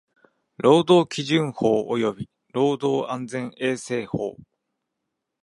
労働基準法及び労働安全衛生法